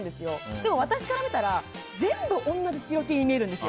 でも私から見たら全部、同じ白Ｔに見えるんです。